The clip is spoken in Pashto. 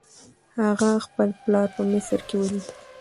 هغه خپل پلار په مصر کې ولید.